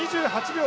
２８秒